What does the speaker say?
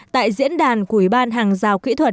tại diễn đàn của ủy ban hàng rào kỹ thuật